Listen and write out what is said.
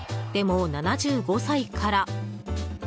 でも、７５歳から。